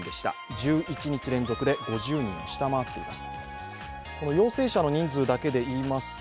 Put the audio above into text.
１１日連続で５０人を下回っています。